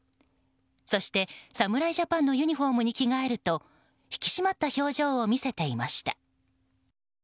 そして、侍ジャパンのユニホームに着替えると引き締まった表情を見せていました。